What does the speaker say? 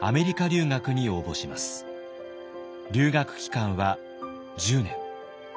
留学期間は１０年。